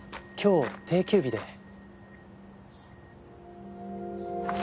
今日定休日で。